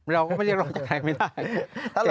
เราก็ไม่ได้หล่นจากใครไม่ได้